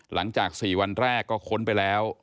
หลังจาก๔วันแรกก็ค้นไปแล้ว